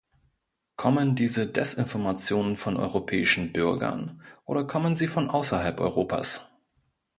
Kommen diese Desinformationen von europäischen Bürgern, oder kommen sie von außerhalb Europas?